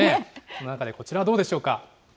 その中でこちらはどうでしょうか。